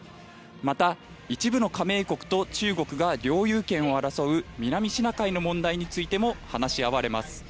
また、一部の加盟国と中国が領有権を争う南シナ海の問題についても話し合われます。